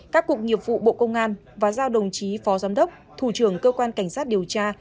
các cục nghiệp vụ bộ công an và giao đồng chí phó giám đốc thủ trưởng cơ quan cảnh sát điều tra